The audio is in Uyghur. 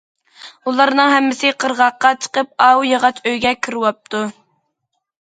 ئۇلارنىڭ ھەممىسى قىرغاققا چىقىپ ئاۋۇ ياغاچ ئۆيگە كىرىۋاپتۇ.